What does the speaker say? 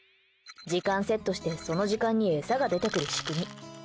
時間セットしてその時間に餌が出てくる仕組み。